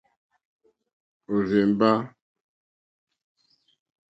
Òrzèmbá.